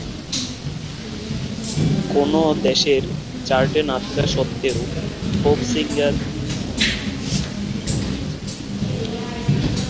কোন দেশের চার্টে না থাকা সত্ত্বেও, "ফোক সিঙ্গার" সমালোচকদের প্রশংসা পেয়েছে।